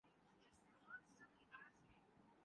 آپ کیا تلاش کر رہے ہیں؟